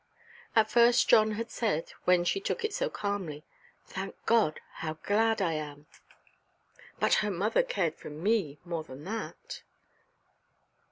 At first John had said, when she took it so calmly, "Thank God! How glad I am! But her mother cared for me more than that."